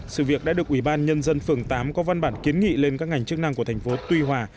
sự việc đã được ủy ban nhân dân phường tám có văn bản kiến nghị lên các ngành chức năng của thành phố tuy hòa